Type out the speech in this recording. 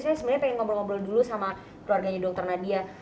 saya sebenarnya pengen ngobrol ngobrol dulu sama keluarganya dr nadia